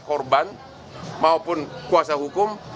korban maupun kuasa hukum